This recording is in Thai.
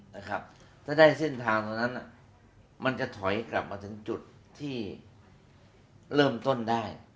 ถ้าได้เส้นทางตรงนั้นมันจะถอยกลับมาถึงจุดที่เริ่มต้นได้